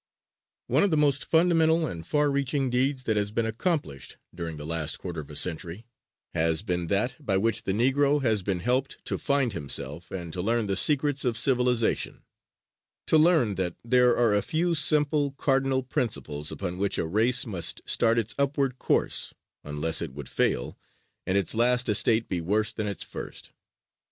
One of the most fundamental and far reaching deeds that has been accomplished during the last quarter of a century has been that by which the Negro has been helped to find himself and to learn the secrets of civilization to learn that there are a few simple, cardinal principles upon which a race must start its upward course, unless it would fail, and its last estate be worse than its first.